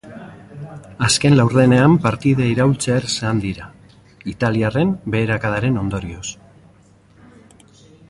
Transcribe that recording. Azken laurdenean partida iraultzear zan dira, italiarren beherakadaren ondorioz.